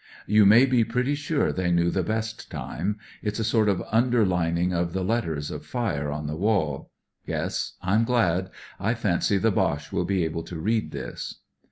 You may be pretty sure they knew the best time. It's a sort of underUning of the letters of fire onthewaU. Yes, I'm glad. I fancy the Boche will be able to read this."